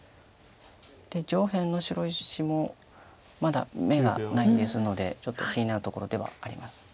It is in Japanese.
上辺の白石もまだ眼がないですのでちょっと気になるところではあります。